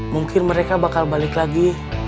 mungkin mereka bakal balik lagi